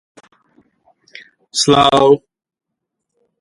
من لەسەر تەختەکەم نەبزووتم، گوتم مان ناگرم